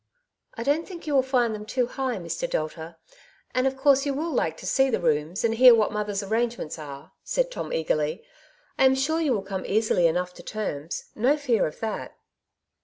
'^ I don^t think you will find them too high, Mr, Delta ; p>nd of course you will like to see the rooms, and hear what mother^ s arrangements are,^' said Tom eagerly. ''I am sure you will come easily enough to terms ; no fear of that."